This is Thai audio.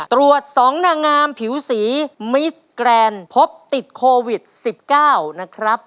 ตรวจ๒นางงามผิวสีมิสแกรนด์พบติดโควิด๑๙นะครับ